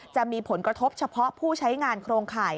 จะมีผลกระทบเฉพาะผู้ใช้งานโครงข่าย